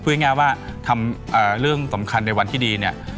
ง่ายว่าทำเรื่องสำคัญในวันที่ดีเนี่ย